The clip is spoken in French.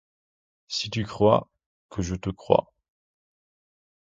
Si tu crois que je te crois !